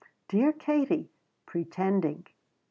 Dear Katie pretending.